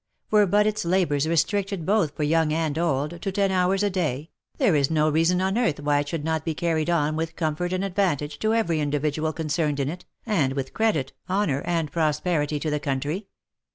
Were but its labours restricted both for young and old, to ten hours a day, there is no reason on earth why it should not be carried on with comfort and advantage to every individual con cerned in it, and with credit, honour, and prosperity to the country.